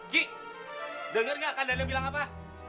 gi dengar nggak kandanya bilang apa